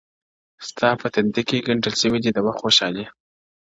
ستا په تندي كي گنډل سوي دي د وخت خوشحالۍ;